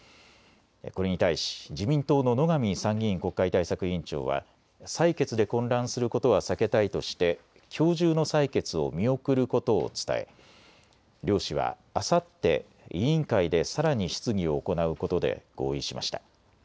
これに対し自民党の野上参議院国会対策委員長は採決で混乱することは避けたいとしてきょう中の採決を見送ることを伝え両氏はあさって、委員会でさらに質疑を行うことで合意しました。